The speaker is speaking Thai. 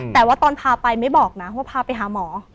แต่ว่าตอนพาไปไม่บอกนะว่าพาไปหาหมอ